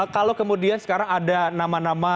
kalau kemudian sekarang ada nama nama